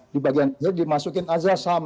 di bagian dimasukin azas ham